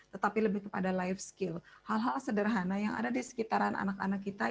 tetapi lebih kepada life skill hal hal sederhana yang ada di sekitaran anak anak kita